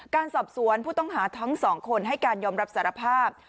การสอบสวนผู้ต้องหาทั้งสองคนให้การยอมรับสารภาพ